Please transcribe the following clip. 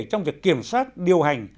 trong việc kiểm soát điều hành